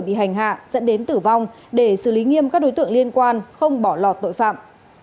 bị hành hạ dẫn đến tử vong để xử lý nghiêm các đối tượng liên quan không bỏ lọt tội phạm